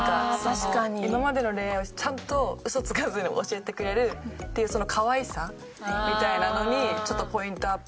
今までの恋愛をちゃんとウソつかずに教えてくれるっていうそのかわいさみたいなのにちょっとポイントアップ。